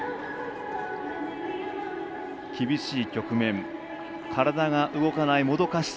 厳しい局面体が動かないもどかしさ。